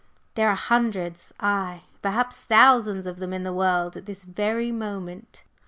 There are hundreds, aye, perhaps thousands of them in the world at this very moment."